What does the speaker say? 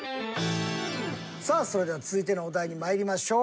さあそれでは続いてのお題にまいりましょう。